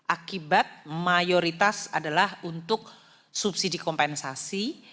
akibat mayoritas adalah untuk subsidi kompensasi